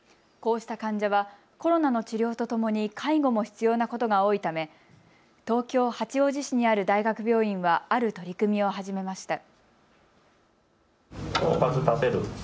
こうした患者はコロナの治療とともに介護も必要なことが多いため東京八王子市にある大学病院はある取り組みを始めました。